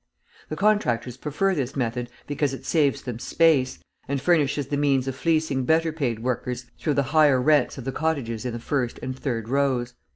The contractors prefer this method because it saves them space, and furnishes the means of fleecing better paid workers through the higher rents of the cottages in the first and third rows.